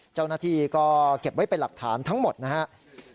เจ้าหน้าที่ก็เก็บไว้เป็นหลักฐานทั้งหมดนะครับ